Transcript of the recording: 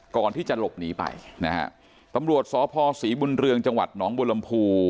ก่อนที่จะหลบหนีไปนะฮะตำรวจสพศรีบุญเรืองจังหวัดหนองบัวลำพู